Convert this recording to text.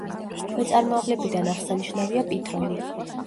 ქვეწარმავლებიდან აღსანიშნავია პითონი.